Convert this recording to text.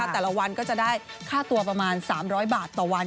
แต่ละวันก็จะได้ค่าตัวประมาณ๓๐๐บาทต่อวัน